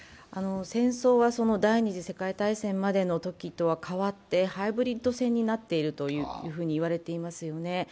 戦争は第二次世界戦までのときとは変わってハイブリッド戦になっているといわれていますよね。